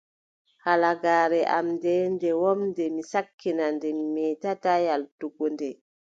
Halagaare am ndee, nde wooɗnde, mi sakkina nde, mi meetataa yaaltugo nde.